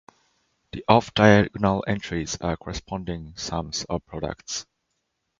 The off-diagonal entries are corresponding sums of products.